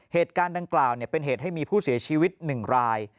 เหตุการณ์ดังกล่าวเป็นเหตุให้มีผู้เสียชีวิต๑ราย